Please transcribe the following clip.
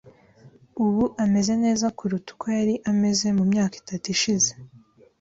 Ubu ameze neza kuruta uko yari ameze mu myaka itatu ishize.